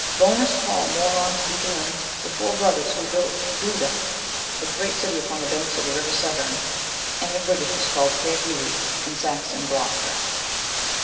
Bonus, Paul, Mauron, Guotelin, were four brothers, who built Gloiuda, a great city upon the banks of the river Severn, and in Birtish is called Cair Gloui, in Saxon, Gloucester.